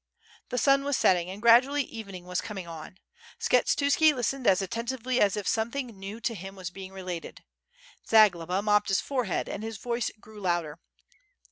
The sun was setting and gradually evening was coming on. Skshetuski listened as attentively as if some thing new to him was being related. Zagloba mopped his forehead and his voice grew louder.